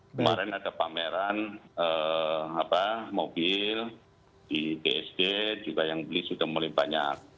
kemarin ada pameran mobil di tsd juga yang beli sudah mulai banyak